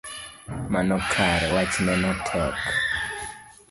Mano kare wachneno tek